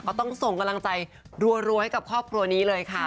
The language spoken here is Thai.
ต้องส่งกำลังใจรัวให้กับครอบครัวนี้เลยค่ะ